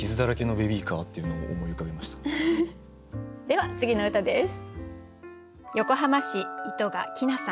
では次の歌です。